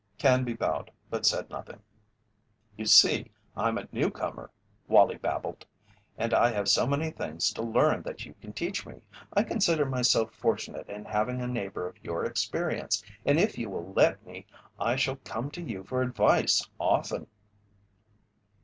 Canby bowed but said nothing. "You see, I'm a newcomer," Wallie babbled, "and I have so many things to learn that you can teach me. I consider myself fortunate in having a neighbour of your experience, and if you will let me I shall come to you for advice often."